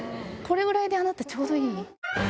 これぐらいであなた、ちょうどいい。